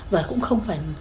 và cũng không phải